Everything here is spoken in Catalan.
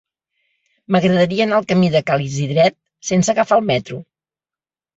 M'agradaria anar al camí de Ca l'Isidret sense agafar el metro.